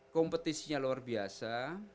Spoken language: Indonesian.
kompetisinya luar biasa